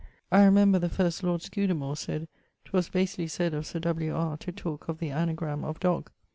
I remember first lord Scudamour sayd ''twas basely sayd of Sir W. R., to talke of the anagramme of Dog.'